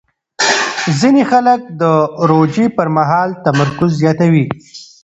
ځینې خلک د روژې پر مهال تمرکز زیاتوي.